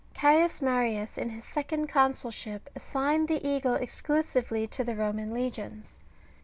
Caius Marius, in his second consulship, assigned the eagle exclusively to the Roman legions.